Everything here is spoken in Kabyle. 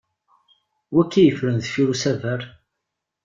Wakka yeffren deffir usaber?